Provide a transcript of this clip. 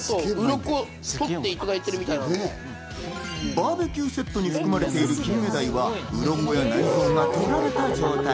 バーベキューセットに含まれているキンメダイは、内臓が取られた状態。